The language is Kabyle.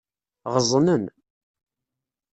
Ɣeẓnen.